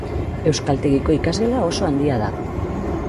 Euskaltegiko ikasgela oso handia da.